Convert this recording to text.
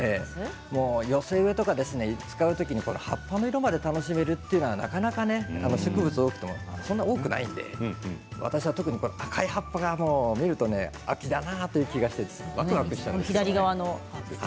寄せ植えとかを作るときにこの葉っぱの色まで楽しめるというのはなかなか植物は多くてもそんなに多くないので私は特に赤い葉っぱを見ると秋だなと思います。